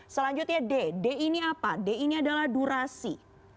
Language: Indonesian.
selanjutnya d ini apa d ini adalah durasi